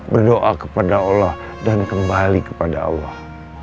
berdoa kepada allah dan kembali kepada allah